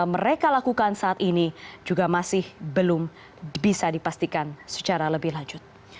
mereka lakukan saat ini juga masih belum bisa dipastikan secara lebih lanjut